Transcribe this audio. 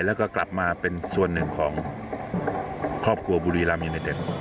แล้วก็กลับมาเป็นส่วนหนึ่งของครอบครัวบุรีรามยูเนเต็ด